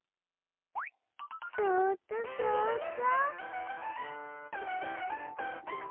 そうっとそうっと。